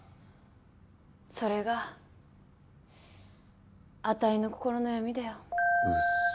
それがあたいの心の闇だよ。